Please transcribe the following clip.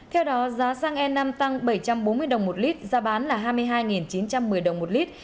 theo đó giá xăng e năm tăng bảy trăm bốn mươi đồng một lít giá bán là hai mươi hai chín trăm một mươi đồng một lít